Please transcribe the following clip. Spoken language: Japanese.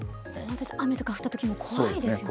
雨とか降った時も怖いですよね。